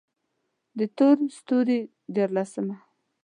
د تور ستوري ديارلسمه: